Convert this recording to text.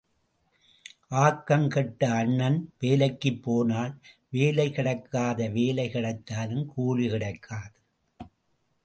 ஆக்கம் கெட்ட அண்ணன் வேலைக்குப் போனால் வேலை கிடைக்காது வேலை கிடைத்தாலும் கூலி கிடைக்காது.